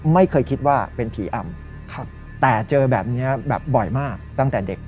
ไม่เคยคิดว่าเป็นผีอำแต่เจอแบบนี้แบบบ่อยมากตั้งแต่เด็ก